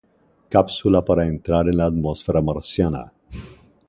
Cápsula para entrar en la atmósfera marciana.